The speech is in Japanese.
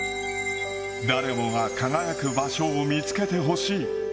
誰もが輝く場所を見つけてほしい。